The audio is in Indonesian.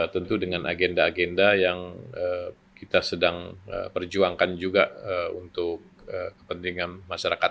tentu dengan agenda agenda yang kita sedang perjuangkan juga untuk kepentingan masyarakat